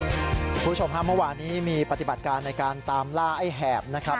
คุณผู้ชมฮะเมื่อวานนี้มีปฏิบัติการในการตามล่าไอ้แหบนะครับ